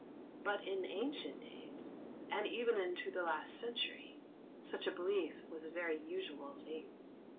But in ancient days, and even into the last century, such a belief was a very usual thing.